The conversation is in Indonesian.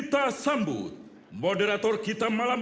tanahku negeriku yang ku cinta